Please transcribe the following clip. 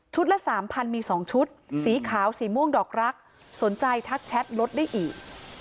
ละ๓๐๐มี๒ชุดสีขาวสีม่วงดอกรักสนใจทักแชทลดได้อีก